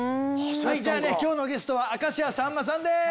じゃあね今日のゲストは明石家さんまさんです！